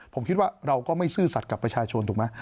ผมคิดว่าเราก็ไม่ซื่อสัตว์กับประชาชนถูกไหม